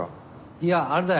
いやあれだよ。